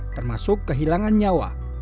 termasuk kehilangan nyawa